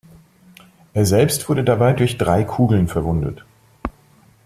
Er selbst wurde dabei durch drei Kugeln verwundet.